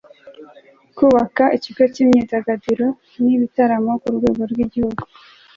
kubaka ikigo cy'imyidagaduro n'ibitaramo ku rwego rw'igihugu